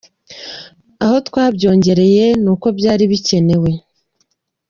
Aho twabyongeye ni uko byari bikenewe.